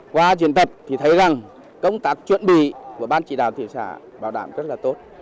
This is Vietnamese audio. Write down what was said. qua diễn tập thì thấy rằng công tác chuẩn bị của ban chỉ đạo thị xã bảo đảm rất là tốt